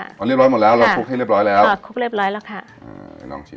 ตอนนี้เรียบร้อยหมดแล้วเราคลุกให้เรียบร้อยแล้วคลุกเรียบร้อยแล้วค่ะ